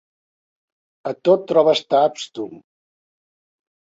A tot trobes taps, tu.